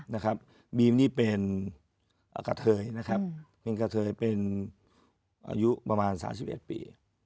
นะครับบีมนี่เป็นกะเทยนะครับเป็นกะเทยเป็นอายุประมาณ๓๑ปี